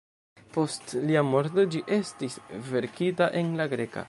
Post lia morto ĝi estis verkita en la greka.